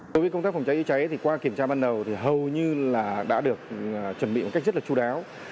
đối với công tác phòng cháy chữa cháy thì qua kiểm tra ban đầu thì hầu như là đã được chuẩn bị một cách rất là chú đáo